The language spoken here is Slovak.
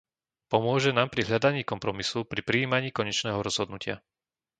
Pomôže nám pri hľadaní kompromisu pri prijímaní konečného rozhodnutia.